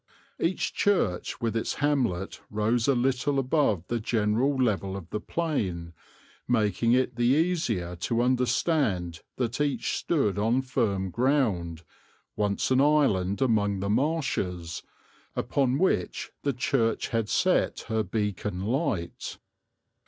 Each church with its hamlet rose a little above the general level of the plain, making it the easier to understand that each stood on firm ground, once an island among the marshes, upon which the church had set her beacon light.